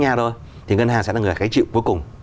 nhà thôi thì ngân hàng sẽ là người cái triệu cuối cùng